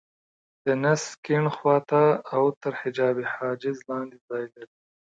د نس کيڼ خوا ته او تر حجاب حاجز لاندې ځای لري.